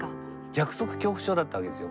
約束恐怖症だったわけですよ